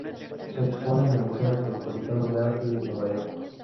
Se expone en el Museo Metropolitano de Arte de Nueva York.